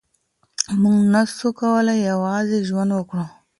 مونږ نسو کولای یوازې ژوند وکړو.